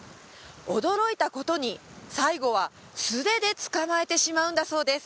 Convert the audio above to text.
驚いたことに最後は素手で捕まえてしまうんだそうです